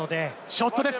ショットです。